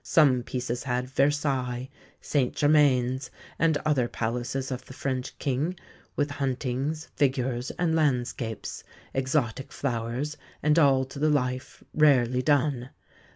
Some pieces had Versailles, St Germain's, and other palaces of the French King, with huntings, figures, and landscapes, exotic flowers and all to the life, rarely done.